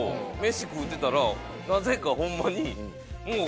飯食うてたらなぜかホンマに。